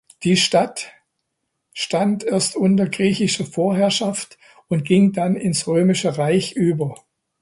Die Stadt stand erst unter griechischer Vorherrschaft und ging dann ins Römische Reich über.